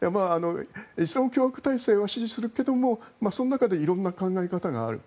イスラム共和体制を支持するけれどもその中で色んな考え方がある。